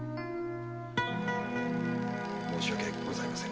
申し訳ございません。